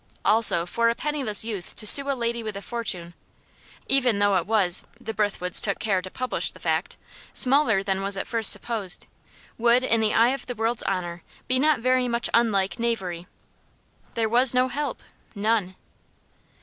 Also, for a penniless youth to sue a lady with a fortune, even though it was (the Brithwoods took care to publish the fact) smaller than was at first supposed would, in the eye of the world's honour, be not very much unlike knavery. There was no help none!